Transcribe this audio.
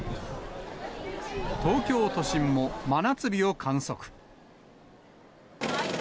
東京都心も真夏日を観測。